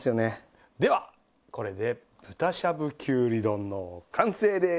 ではこれで豚しゃぶきゅうり丼の完成です。